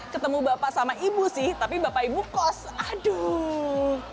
ketemu bapak sama ibu sih tapi bapak ibu kos aduh